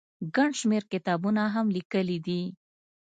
ګڼ شمېر کتابونه هم ليکلي دي